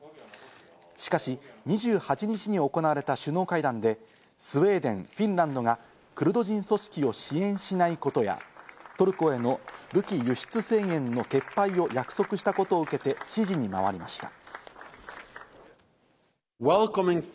しかし、２８日に行われた首脳会談で、スウェーデン、フィンランドがクルド人組織を支援しないことや、トルコへの武器輸出制限の撤廃を約束したことを受けて、支持に回りました。